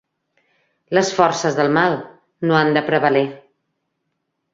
Les forces del mal no han de prevaler.